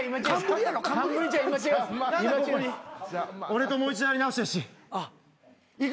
俺ともう一度やり直してほしい。